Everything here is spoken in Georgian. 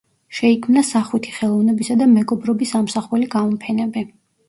შეიქმნა სახვითი ხელოვნებისა და მეგობრობის ამსახველი გამოფენები.